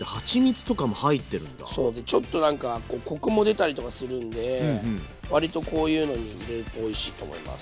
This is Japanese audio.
でちょっとなんかコクも出たりとかするんで割とこういうのに入れるとおいしいと思います。